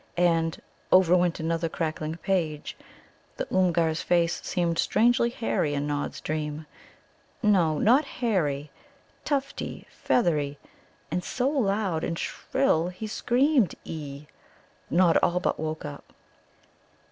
And ... over went another crackling page.... The Oomgar's face seemed strangely hairy in Nod's dream; no, not hairy tufty, feathery; and so loud and shrill he screamed "E," Nod all but woke up.